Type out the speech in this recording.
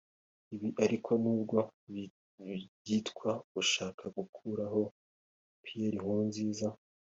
Ibi ariko n’ubwo byitwa gushaka gukuraho Pierre Nkurunziza